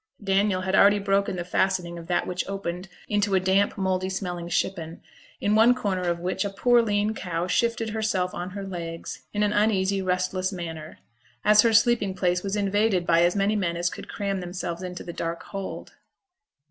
Daniel had already broken the fastening of that which opened into a damp, mouldy smelling shippen, in one corner of which a poor lean cow shifted herself on her legs, in an uneasy, restless manner, as her sleeping place was invaded by as many men as could cram themselves into the dark hold.